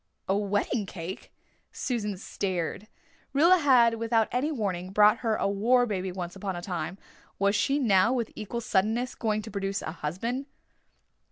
"A wedding cake!" Susan stared. Rilla had, without any warning, brought her a war baby once upon a time. Was she now, with equal suddenness, going to produce a husband?